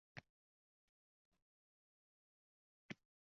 O’tgan kunlar deydi.